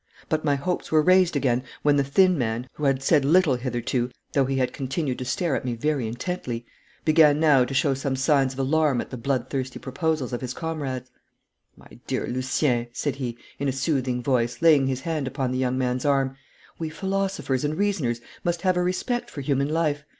But my hopes were raised again when the thin man, who had said little hitherto, though he had continued to stare at me very intently, began now to show some signs of alarm at the bloodthirsty proposals of his comrades. 'My dear Lucien,' said he, in a soothing voice, laying his hand upon the young man's arm, 'we philosophers and reasoners must have a respect for human life.